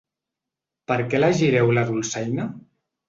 Per què elegíreu la dolçaina?